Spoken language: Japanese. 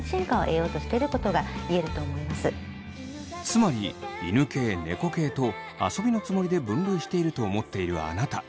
つまり犬系・猫系と遊びのつもりで分類していると思っているあなた。